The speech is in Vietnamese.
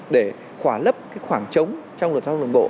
để khóa lấp cái khoảng trống trong luật giao thông đường bộ